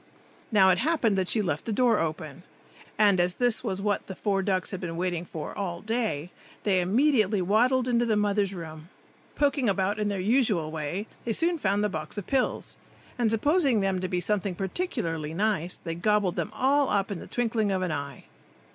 Now, it happened that she left the door open, and as this was what the four ducks had been waiting for all day, they immediately waddled into the mother's room. Poking about in their usual way, they soon found the box of pills, and supposing them to be something particularly nice, they gobbled them all up in the twinkling of an eye.